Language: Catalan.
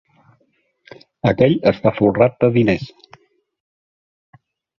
Aquell està folrat de diners.